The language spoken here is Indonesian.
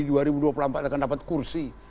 di dua ribu dua puluh empat akan dapat kursi